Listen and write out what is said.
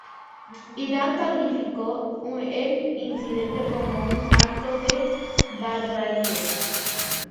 Irán calificó el incidente como un acto de barbarie.